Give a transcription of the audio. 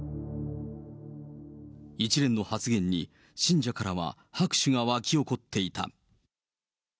一連の発言に、信者からは拍手が沸き起こっていた。